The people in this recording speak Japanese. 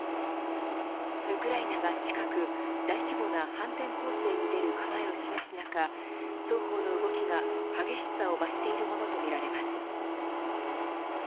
ウクライナが近く大規模な反転攻勢に出る構えを示す中双方の動きが激しさを増しているものとみられます。